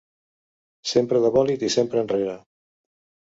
Sempre de bòlit i sempre enrere.